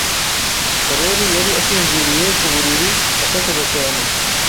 Karoli yari asinziriye ku buriri, asakuza cyane.